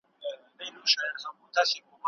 پر تاخچو، پر صندوقونو پر کونجونو